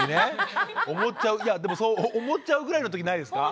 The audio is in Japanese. いやでもそう思っちゃうぐらいの時ないですか？